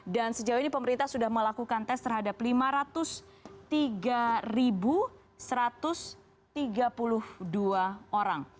dan sejauh ini pemerintah sudah melakukan tes terhadap lima ratus tiga satu ratus tiga puluh dua orang